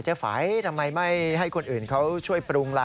ฝัยทำไมไม่ให้คนอื่นเขาช่วยปรุงล่ะ